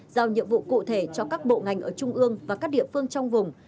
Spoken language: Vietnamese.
giao nhiệm vụ cụ thể cho các bộ ngành ở trung ương và các địa phương trong vùng